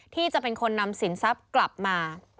ที่จะเป็นคนนำสินทรัพย์กลับมา